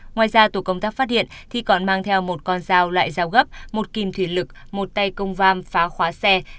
ngoài ra tổ công tác phát hiện thi còn mang theo một con dao loại dao gấp một kìm thủy lực một tay công vam phá khóa xe